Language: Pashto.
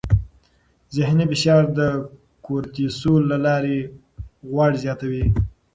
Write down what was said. ذهني فشار د کورتیسول له لارې غوړ زیاتوي.